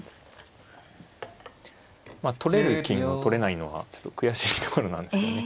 まあ取れる金を取れないのがちょっと悔しいところなんですけどね。